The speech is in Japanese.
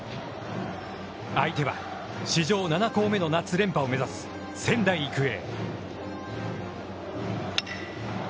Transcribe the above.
相手は、史上７校目の夏連覇を目指す、仙台育英。